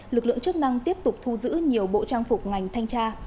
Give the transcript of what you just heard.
lực lượng chức năng tiếp tục thu giữ nhiều bộ trang phục ngành thanh tra